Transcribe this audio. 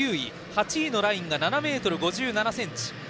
８位のラインが７ｍ５７ｃｍ。